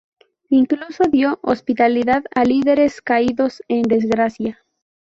Incluso dio hospitalidad a líderes caídos en desgracia.